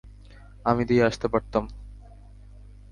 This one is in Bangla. আমি দিয়ে আসতে পারতাম।